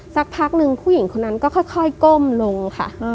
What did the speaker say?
สักพักหนึ่งผู้หญิงคนนั้นก็ค่อยก้มลงค่ะ